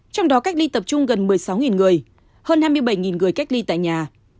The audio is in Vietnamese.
trong đó cách ly tập trung gần một mươi sáu người hơn hai mươi bảy người cách ly tại nhà